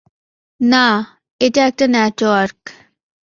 না, এটা একটা নেটওয়ার্ক।